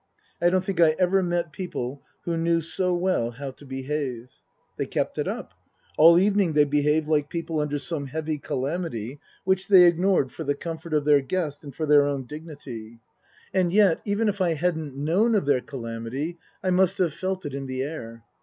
I don't think I ever met people who knew so well how to behave. They kept it up. All evening they behaved like people under some heavy calamity which they ignored for the comfort of their guest and for their own dignity. And 96 Tasker Jevons yet, even if I hadn't known of their calamity, I must have felt it in the air.